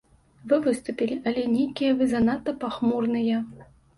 Вы выступілі, але нейкія вы занадта пахмурныя.